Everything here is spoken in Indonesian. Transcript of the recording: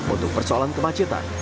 untuk persoalan kemacetan